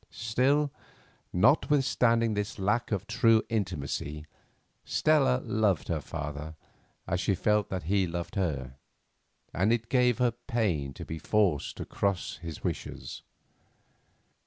Still, notwithstanding this lack of true intimacy, Stella loved her father as she felt that he loved her, and it gave her pain to be forced to cross his wishes.